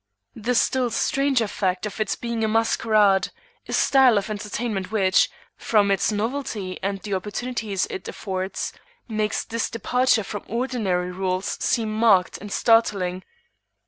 "The still stranger fact of it being a masquerade, a style of entertainment which, from its novelty and the opportunities it affords, makes this departure from ordinary rules seem marked and startling.